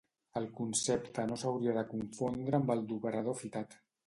El concepte no s'hauria de confondre amb el d'operador fitat.